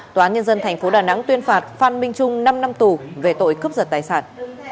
tòa án nhân dân tp đà nẵng tuyên phạt phan minh trung năm năm tù về tội cướp giật tài sản